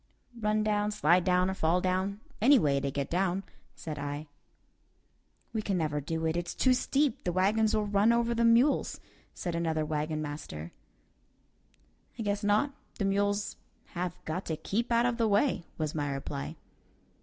"Run down, slide down, or fall down; any way to get down," said I. "We can never do it; it's too steep; the wagons will run over the mules," said another wagon master. "I guess not; the mules have got to keep out of the way," was my reply.